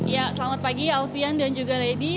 ya selamat pagi alfian dan juga lady